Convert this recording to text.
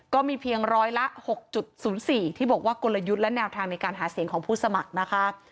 ก็มีเพียงร้อยละ๖๐๔ที่บอกว่ากลยุทธ์และแนวทางในการหาเสียงของผู้สมัครนะคะ